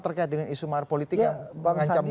terkait dengan isu mahar politik yang mengancam ini